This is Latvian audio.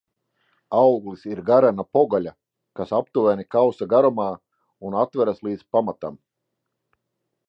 Auglis ir garena pogaļa, kas aptuveni kausa garumā un atveras līdz pamatam.